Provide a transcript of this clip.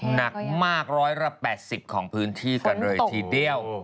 หนักมาก๑๘๐ของพื้นที่กันเลยทีเดียว